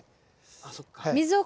あそっか。